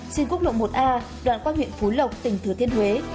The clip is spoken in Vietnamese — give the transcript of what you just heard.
trên quốc lộ một a đoạn qua huyện phú lộc tỉnh thừa thiên huế